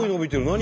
何？